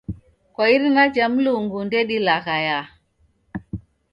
Kwa irina jha Mulungu ndedilaghaya